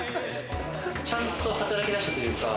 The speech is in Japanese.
ちゃんと働き出したというか。